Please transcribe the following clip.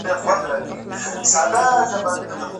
زماد قام یې دی لیکلی د مېچن پر پله نصیب دی